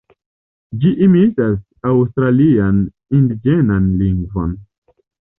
Ĝi imitas aŭstralian indiĝenan lingvon.